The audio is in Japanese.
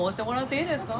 いいんですか？